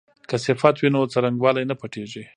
که صفت وي نو څرنګوالی نه پټیږي.